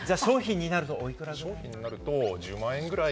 商品になるとおいくらぐらい？